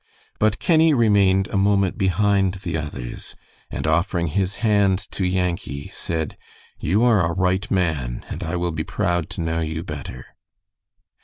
But Kenny remained a moment behind the others, and offering his hand to Yankee, said: "You are a right man, and I will be proud to know you better."